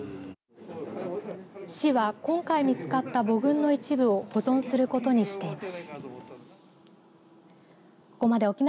市は今回、見つかった墓群の一部を保存することにしています。